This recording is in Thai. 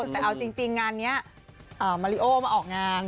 แต่เอาจริงงานนี้มาริโอมาออกงาน